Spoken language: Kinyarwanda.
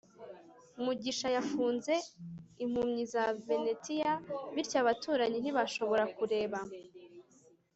mugisha yafunze impumyi za venetian, bityo abaturanyi ntibashobora kureba